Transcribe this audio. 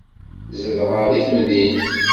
Zedɣeɣ deg temdint.